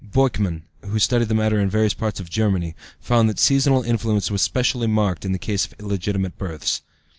Beukemann, who studied the matter in various parts of Germany, found that seasonal influence was specially marked in the case of illegitimate births.